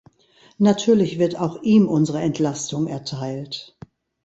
Natürlich wird auch ihm unsere Entlastung erteilt.